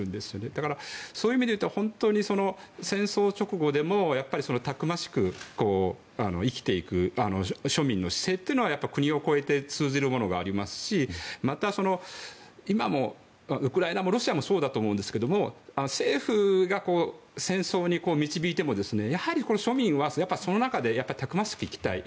だから、そういう意味で言うと本当に戦争直後でもたくましく生きていく庶民の姿勢は、国を越えて通じるものがありますしまた、今もウクライナもロシアもそうだと思うんですけども政府が戦争に導いてもやはり庶民はその中でたくましく生きたい。